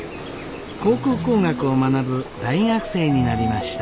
航空工学を学ぶ大学生になりました。